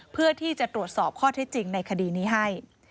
เพื่อที่จะตรวจสอบข้อเท็จจริงในคดีนี้ให้